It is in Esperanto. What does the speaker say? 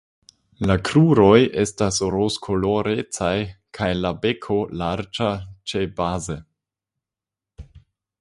La kruroj estas rozkolorecaj kaj la beko larĝa ĉebaze.